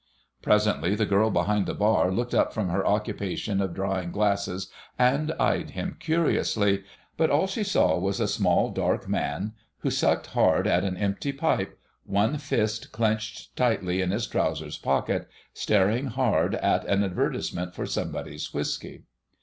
Presently the girl behind the bar looked up from her occupation of drying glasses and eyed him curiously; but all she saw was a small dark man, who sucked hard at an empty pipe, one fist clenched tightly in his trousers pocket, staring hard at an advertisement for somebody's whisky.